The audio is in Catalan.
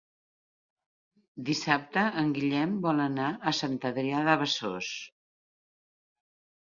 Dissabte en Guillem vol anar a Sant Adrià de Besòs.